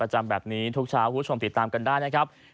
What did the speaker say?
จำแบบนี้ทุกเช้าคุณผู้ชมติดตามกันได้นะครับ